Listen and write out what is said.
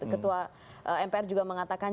ketua mpr juga mengatakan